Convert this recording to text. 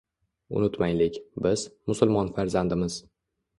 Unutmaylik: biz – musulmon farzandimiz.